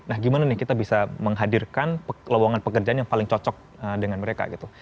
nah gimana nih kita bisa menghadirkan lowongan pekerjaan yang paling cocok dengan mereka gitu